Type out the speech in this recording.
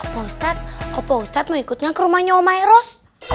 pak ustadz pak ustadz mau ikutnya ke rumahnya omairos